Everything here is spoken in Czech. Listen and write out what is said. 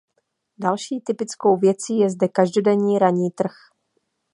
Další typickou věcí je zde každodenní ranní trh.